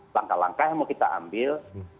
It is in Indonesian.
langkah langkah yang mau kita ambil